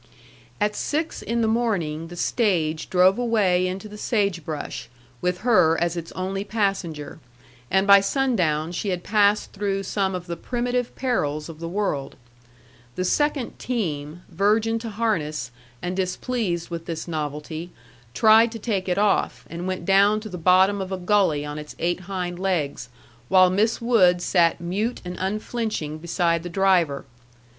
At six in the morning the stage drove away into the sage brush, with her as its only passenger; and by sundown she had passed through some of the primitive perils of the world. The second team, virgin to harness, and displeased with this novelty, tried to take it off, and went down to the bottom of a gully on its eight hind legs, while Miss Wood sat mute and unflinching beside the driver.